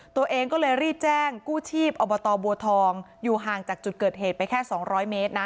ตัวเองก็เลยรีบแจ้งกู้ชีพอบตบัวทองอยู่ห่างจากจุดเกิดเหตุไปแค่๒๐๐เมตรนะ